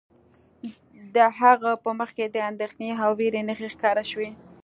د هغه په مخ کې د اندیښنې او ویرې نښې ښکاره شوې